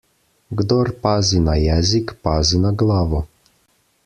Kdor pazi na jezik, pazi na glavo.